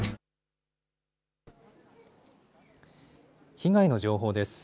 被害の情報です。